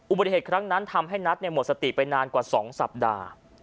อุบัติเหตุครั้งนั้นทำให้นัทหมดสติไปนานกว่า๒สัปดาห์